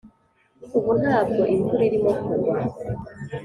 ubu ntabwo imvura irimo kugwa.